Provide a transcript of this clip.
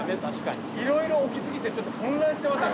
いろいろ起きすぎてちょっと混乱してますね。